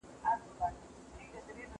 سیاستپوهنه زموږ د وقار نښه ده.